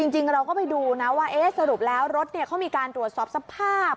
จริงเราก็ไปดูนะว่าสรุปแล้วรถเขามีการตรวจสอบสภาพ